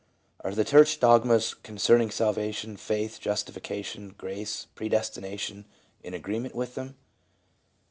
Are the church dogmas concerning salvation, faith, justifica tion, grace, predestination, in agreement with them?